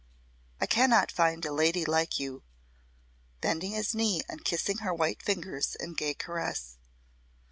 I cannot find a lady like you" bending his knee and kissing her white fingers in gay caress.